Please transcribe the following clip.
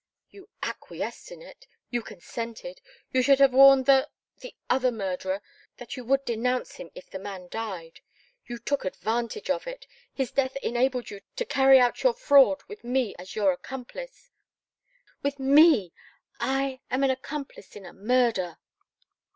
"You acquiesced in it. You consented. You should have warned the the other murderer that you would denounce him if the man died. You took advantage of it. His death enabled you to carry out your fraud with me as your accomplice. With ME! I am an accomplice in a murder!"